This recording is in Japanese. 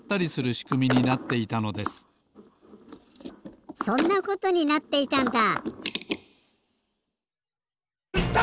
しくみになっていたのですそんなことになっていたんだ！